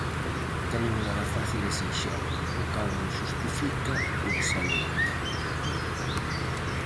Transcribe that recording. Camiño nada fácil e sinxelo, o cal non xustifica o desalento.